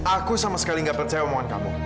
aku sama sekali gak percaya omongan kamu